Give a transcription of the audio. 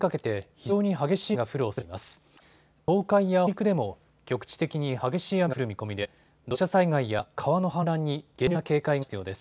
東海や北陸でも局地的に激しい雨が降る見込みで土砂災害や川の氾濫に厳重な警戒が必要です。